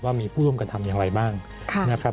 ว่ามีผู้ร่วมกันทำอย่างไรบ้างนะครับ